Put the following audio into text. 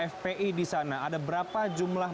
fpi di sana ada berapa jumlah